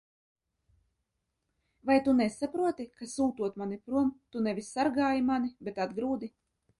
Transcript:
Vai tu nesaproti, ka, sūtot mani prom, tu nevis sargāji mani, bet atgrūdi?